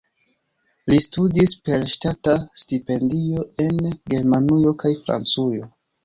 Li studis per ŝtata stipendio en Germanujo kaj Francujo.